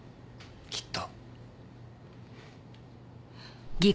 きっと。